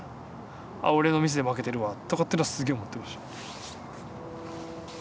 「俺のミスで負けてるわ」とかってのはすげえ思ってました。